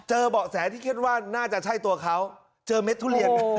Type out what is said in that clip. เจอเหมาะแสที่แค่ว่าน่าจะใช่ตัวเขาเจอเม็ดทุเรียนโห